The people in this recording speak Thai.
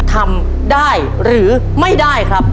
ทำได้หรือไม่ได้ครับ